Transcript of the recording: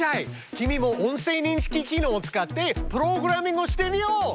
君も音声認識機能を使ってプログラミングしてみよう！